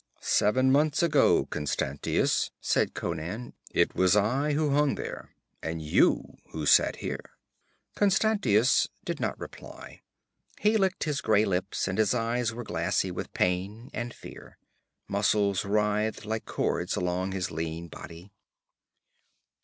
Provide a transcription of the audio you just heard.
'Seven months ago, Constantius,' said Conan, 'it was I who hung there, and you who sat here.' Constantius did not reply; he licked his gray lips and his eyes were glassy with pain and fear. Muscles writhed like cords along his lean body.